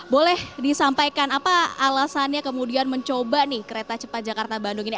boleh disampaikan apa alasannya kemudian mencoba nih kereta cepat jakarta bandung ini